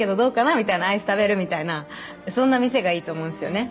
みたいなアイス食べるみたいなそんな店がいいと思うんすよね